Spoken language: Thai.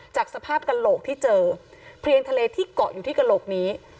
จากสภาพกระโหลกที่เจอเพลียงทะเลที่เกาะอยู่ที่กระโหลกนี้